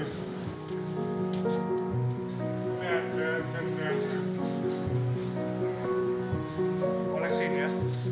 ini koleksi saya